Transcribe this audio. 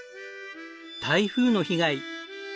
台風の被害。